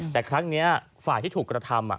แต่ครั้งนี้ฝ่ายที่ถูกกระทำ